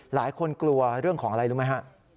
หลายคนกลัวเรื่องของอะไรรู้ไหมฮะ